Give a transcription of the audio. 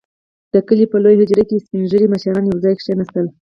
• د کلي په لويه حجره کې سپين ږيري مشران يو ځای کښېناستل.